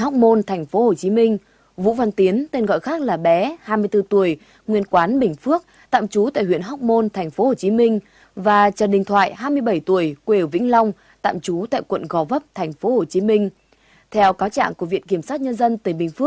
chào mừng quý vị đến với bộ phim hồ chí minh